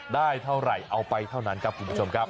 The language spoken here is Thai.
ได้เท่าไหร่เอาไปเท่านั้นครับคุณผู้ชมครับ